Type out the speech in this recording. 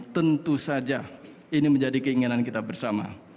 tentu saja ini menjadi keinginan kita bersama